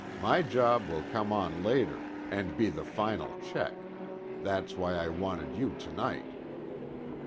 My job will come on later, and be the final check. That's why I wanted you to night."